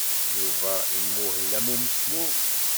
Yuba imuhel am umeslub.